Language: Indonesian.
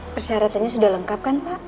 persyaratannya sudah lengkap kan